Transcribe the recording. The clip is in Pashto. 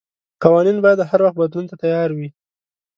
قوانين بايد هر وخت بدلون ته تيار وي.